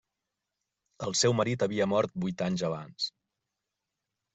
El seu marit havia mort vuit anys abans.